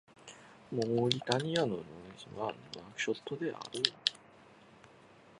モーリタニアの首都はヌアクショットである